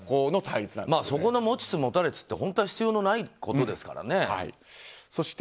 そこの持ちづ持たれつは本当は必要のないことですからね。